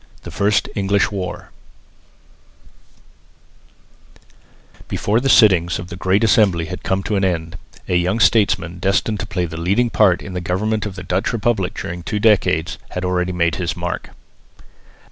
THE FIRST ENGLISH WAR Before the sittings of the Great Assembly had come to an end, a young statesman, destined to play the leading part in the government of the Dutch republic during two decades, had already made his mark.